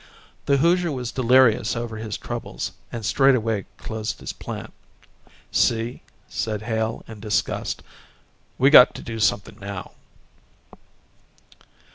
The Hoosier was delirious over his troubles and straightway closed his plant. "See," said Hale in disgust. "We've got to do something now."